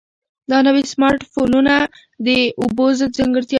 دا نوي سمارټ فونونه د اوبو ضد ځانګړتیاوې لري.